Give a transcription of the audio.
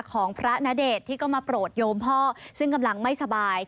ของพระณเดชน์ที่ก็มาโปรดโยมพ่อซึ่งกำลังไม่สบาย